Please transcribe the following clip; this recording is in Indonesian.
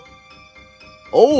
oh itu akan berhasil